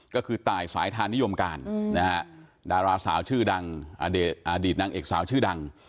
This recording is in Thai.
ก็คือตายสายทานิยมการนะฮะดาราสาวชื่อดังอดีตนางเอกสาวชื่อดัง